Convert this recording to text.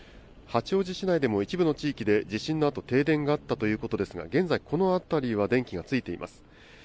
八王子市内でも一部の地域で地震のあと停電があったということですが現在、この辺りは電気がついています。